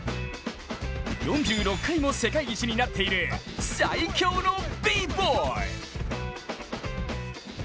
４６回も世界一になっている最強のＢボーイ。